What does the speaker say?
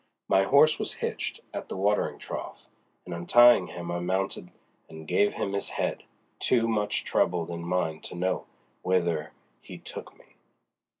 My horse was hitched at the watering trough, and untying him I mounted and gave him his head, too much troubled in mind to note whither he took me.